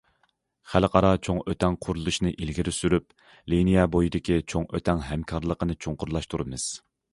خەلقئارا چوڭ ئۆتەڭ قۇرۇلۇشىنى ئىلگىرى سۈرۈپ، لىنىيە بويىدىكى چوڭ ئۆتەڭ ھەمكارلىقىنى چوڭقۇرلاشتۇرىمىز.